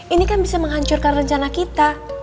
ini kan bisa menghancurkan rencana kita